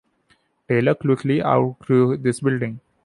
Taylor quickly outgrew this building.